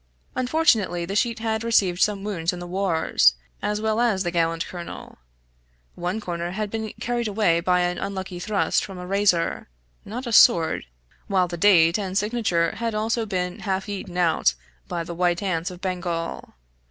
Unfortunately, the sheet had received some wounds in the wars, as well as the gallant colonel. One corner had been carried away by an unlucky thrust from a razor not a sword; while the date and signature had also been half eaten out by the white ants of Bengal.